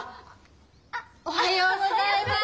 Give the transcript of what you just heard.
あおはようございます。